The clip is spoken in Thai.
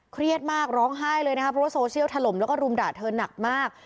เครียดมากร้องไห้เลยนะคะเพราะว่าโซเชียลถล่มแล้วก็รุมด่าเธอหนักมาก